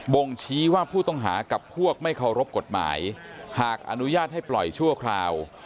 บ่งชี้ว่าผู้ต้องหากับพวกไม่เคารพกฎหมายหากอนุญาตให้ปล่อยชั่วคราว